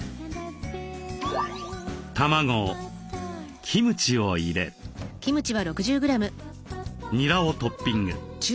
卵キムチを入れにらをトッピング。